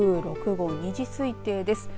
台風６号２時推定です。